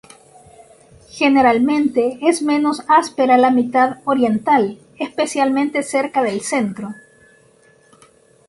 Generalmente es menos áspera la mitad oriental, especialmente cerca del centro.